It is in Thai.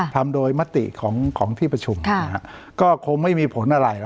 ทำโดยมติของที่ประชุมก็คงไม่มีผลอะไร